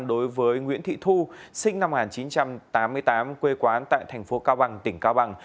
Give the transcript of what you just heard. đối với nguyễn thị thu sinh năm một nghìn chín trăm tám mươi tám quê quán tại thành phố cao bằng tỉnh cao bằng